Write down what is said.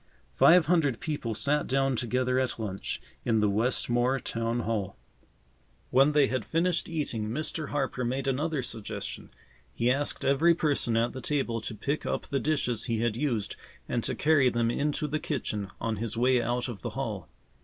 Five hundred people sat down together at lunch in the Westmore Town Hall. When they had finished eating, Mr. Harper made another suggestion. He asked every person at the table to pick up the dishes he had used and to carry them into the kitchen on his way out of the hall.